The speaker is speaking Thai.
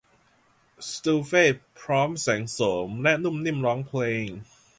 สตูเฟ่พร้อมแสงโสมและนุ่มนิ่มร้องเพลง